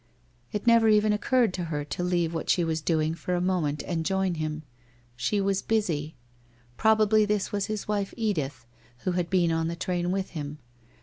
It never even occurred to her to leave what she was doing for a moment and join him. She was busy. Prob ably this was his wife Edith, who had been on the train with him.